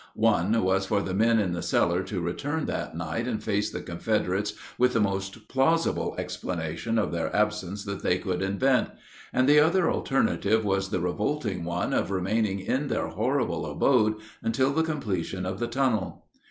One was for the men in the cellar to return that night and face the Confederates with the most plausible explanation of their absence that they could invent, and the other alternative was the revolting one of remaining in their horrible abode until the completion of the tunnel.